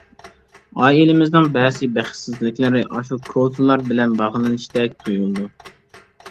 ئائىلىمىزنىڭ بەزى بەختسىزلىكلىرى ئاشۇ كوزىلار بىلەن باغلىنىشتەك تۇيۇلىدۇ.